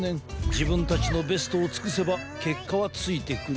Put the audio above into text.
じぶんたちのベストをつくせばけっかはついてくる。